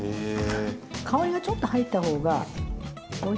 香りがちょっと入った方がおいしいですよね。